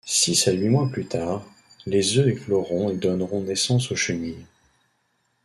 Six à huit mois plus tard, les œufs écloront et donneront naissance aux chenilles.